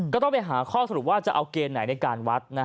ก็ต้องไปหาข้อสรุปว่าจะเอาเกณฑ์ไหนในการวัด